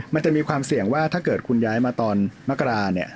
มันจะมีความเสี่ยงว่าถ้าเกิดคุณย้ายมาตอนมกราเนี่ย